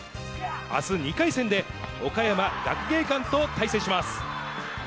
あす２回戦で、岡山・学芸館と対戦します。